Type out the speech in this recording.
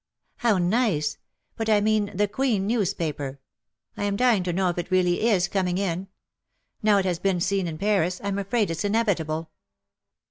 ^^'' How nice ! But I mean the Queen news paper. I am dying to know if it really is coming in. Now it has been seen in Paris, Fm afraid it^s inevitable.